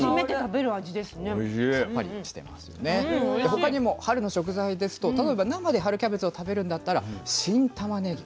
他にも春の食材ですと例えば生で春キャベツを食べるんだったら新たまねぎ。